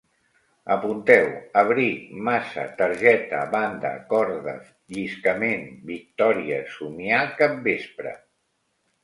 Apunteu: abric, massa, targeta, banda, corda, lliscament, victòria, somiar, capvespre